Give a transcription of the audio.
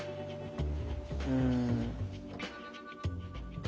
うん。